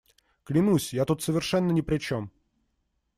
Клянусь, я тут совершенно ни при чем.